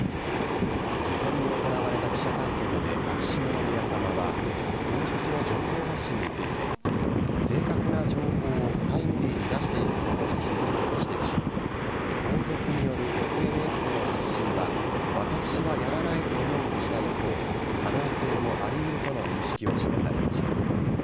事前に行われた記者会見で秋篠宮さまは皇室の情報発信について正確な情報をタイムリーに出していくことが必要と指摘し皇族によるＳＮＳでの発信は私はやらないと思うとした一方可能性もあり得るとの認識を示されました。